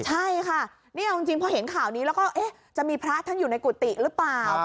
ใช่ค่ะนี่เอาจริงพอเห็นข่าวนี้แล้วก็จะมีพระท่านอยู่ในกุฏิหรือเปล่า